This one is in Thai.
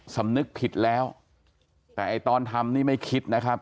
สำนึกผิดแล้วแต่ไอ้ตอนทำนี่ไม่คิดนะครับ